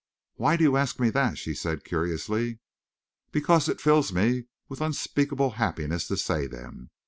"Why do you ask me that?" she said curiously. "Because it fills me with unspeakable happiness to say them.